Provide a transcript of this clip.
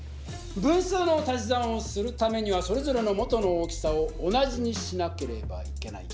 分数の足し算をするためにはそれぞれの元の大きさを同じにしなければいけない。